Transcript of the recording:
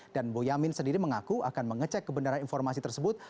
dan boyamin sendiri mengaku akan mengecek kebenaran informasi tersebut